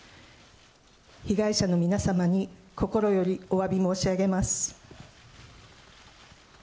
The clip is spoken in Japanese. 被害者の皆様に心よりおわび申し上げます。